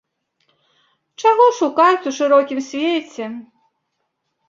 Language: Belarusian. Чаго шукаць у шырокім свеце?